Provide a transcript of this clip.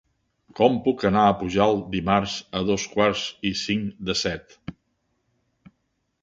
Com puc anar a Pujalt dimarts a dos quarts i cinc de set?